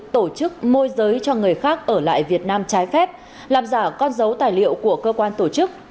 tổ chức môi giới cho người khác ở lại việt nam trái phép làm giả con dấu tài liệu của cơ quan tổ chức